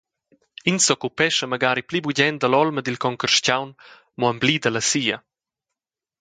Ins s’occupescha magari pli bugen dalla olma dil concarstgaun, mo emblida la sia.